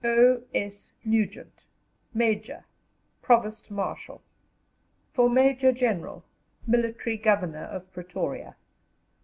O.S. NUGENT, Major, Provost Marshal (For Major General, Military Governor of Pretoria).